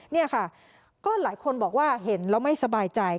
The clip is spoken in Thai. นี่ค่ะก็หลายคนบอกว่าเห็นแล้วไม่สบายใจ